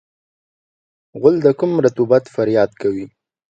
غول د کم رطوبت فریاد کوي.